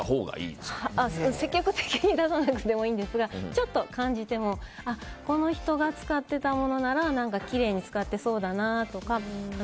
積極的に出さなくてもいいんですがちょっと感じてこの人が使っていたものならきれいに使っていそうだなとか。